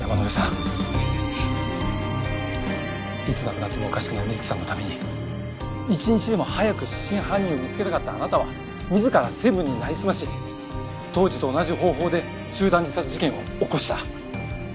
いつ亡くなってもおかしくない水樹さんのために一日でも早く真犯人を見つけたかったあなたは自らセブンになりすまし当時と同じ方法で集団自殺事件を起こした。